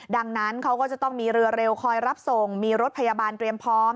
ดังนั้นเขาก็จะต้องมีเรือเร็วคอยรับส่งมีรถพยาบาลเตรียมพร้อม